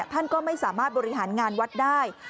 ท่านก็ไม่สามารถบริหารงานวัดได้